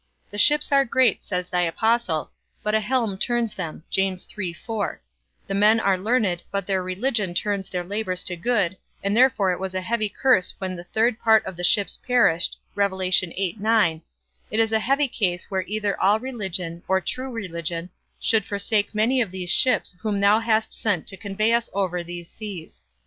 The ships are great, says thy apostle, but a helm turns them; the men are learned, but their religion turns their labours to good, and therefore it was a heavy curse when the third part of the ships perished: it is a heavy case where either all religion, or true religion, should forsake many of these ships whom thou hast sent to convey us over these seas.